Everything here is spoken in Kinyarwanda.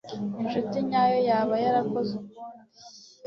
Inshuti nyayo yaba yarakoze ukundi.